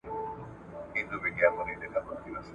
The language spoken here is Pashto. ما یې کړي په دښتونو کي مستې دي ..